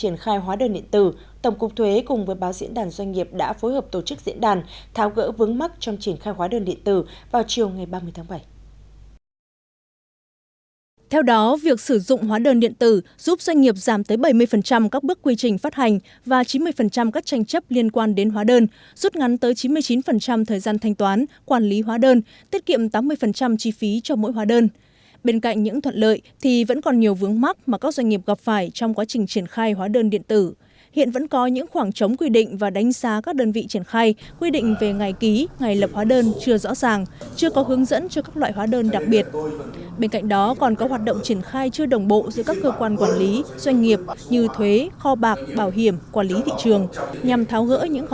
nhằm tháo gỡ khó khăn vướng mắt cho doanh nghiệp có phần thúc đẩy lộ trình triển khai hóa đơn điện tử tổng cục thuế cùng với báo diễn đàn doanh nghiệp đã phối hợp tổ chức diễn đàn tháo gỡ vướng mắt trong triển khai hóa đơn điện tử vào chiều ngày ba mươi tháng bảy